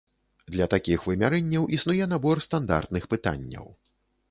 Для такіх вымярэнняў існуе набор стандартных пытанняў.